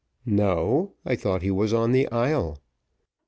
"No; I thought he was on the Isle."